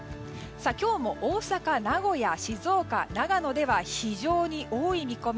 今日も大阪、名古屋静岡、長野では非常に多い見込み。